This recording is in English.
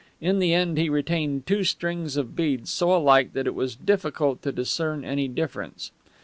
In the end he retained two strings of beads so alike that it was difficult to discern any difference.